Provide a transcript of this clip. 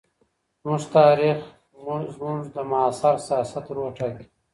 زموږ تاریخ زموږ د معاصر سیاست روح ټاکي.